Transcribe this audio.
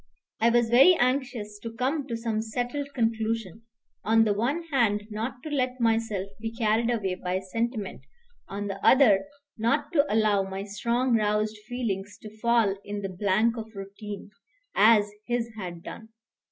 I was very anxious to come to some settled conclusion: on the one hand, not to let myself be carried away by sentiment; on the other, not to allow my strongly roused feelings to fall into the blank of routine, as his had done.